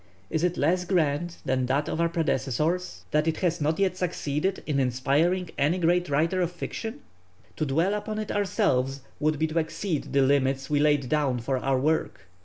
Is it less grand than that of our predecessors, that it has not yet succeeded in inspiring any great writer of fiction? To dwell upon it ourselves would be to exceed the limits we laid down for our work.